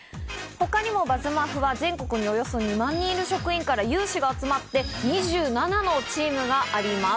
他にも『ＢＵＺＺＭＡＦＦ』は全国におよそ２万人いる職員から有志が集まって、２７のチームがあります。